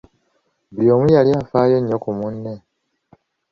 Buli omu yali afaayo nnyo ku munne.